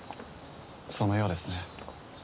そのようですね。